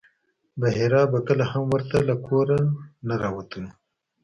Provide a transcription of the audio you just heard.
بحیرا به کله هم ورته له کوره نه راوتلو.